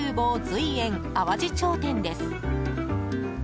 随苑淡路町店です。